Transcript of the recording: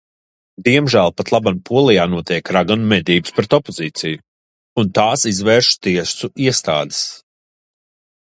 Diemžēl patlaban Polijā notiek raganu medības pret opozīciju, un tās izvērš tiesu iestādes.